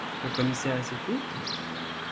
Le Commissaire Et c’est tout ?…